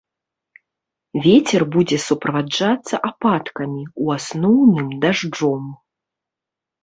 Вецер будзе суправаджацца ападкамі, у асноўным дажджом.